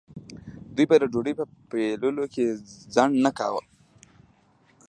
دوی به د ډوډۍ په پیلولو کې ځنډ نه کاوه.